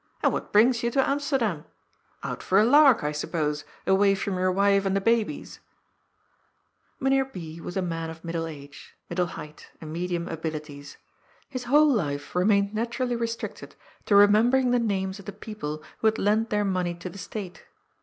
" And what brings you to Amsterdam ? Out for a lark, I suppose, away from your wife and the babies ?" Mynheer B. was a man of middle age, middle height, and medium abilities. His whole life remained naturally restricted to remembering the names of the people who had lent their money to the State.